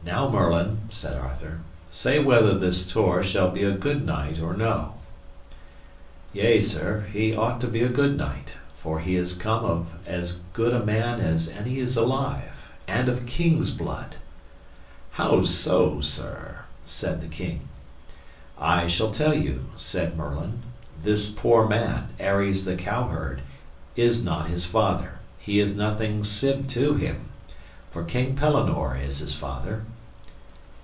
Now Merlin, said Arthur, say whether this Tor shall be a good knight or no. Yea, sir, he ought to be a good knight, for he is come of as good a man as any is alive, and of kings' blood. How so, sir? said the king. I shall tell you, said Merlin: This poor man, Aries the cowherd, is not his father; he is nothing sib to him, for King Pellinore is his father.